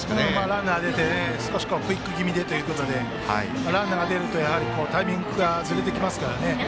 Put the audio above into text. ランナーが出て少しクイック気味でということでランナーが出るとタイミングがずれてきますからね。